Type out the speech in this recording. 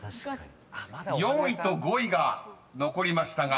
［４位と５位が残りましたが］